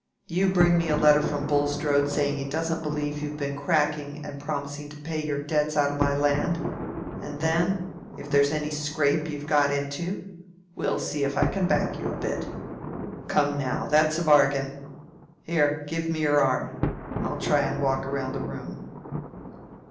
You bring me a letter from Bulstrode saying he doesn't believe you've been cracking and promising to pay your debts out o' my land, and then, if there's any scrape you've got into, we'll see if I can't back you a bit. Come now! That's a bargain. Here, give me your arm. I'll try and walk round the room."